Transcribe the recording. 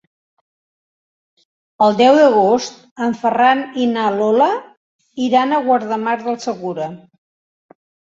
El deu d'agost en Ferran i na Lola iran a Guardamar del Segura.